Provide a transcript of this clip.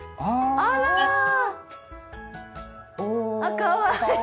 あら。あっかわいい。